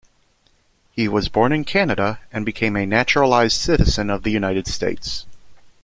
He was born in Canada and became a naturalized citizen of the United States.